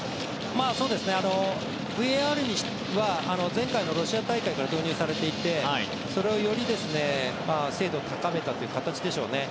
そうですね、ＶＡＲは前回のロシア大会から導入されていてそれをより精度を高めた形でしょうね。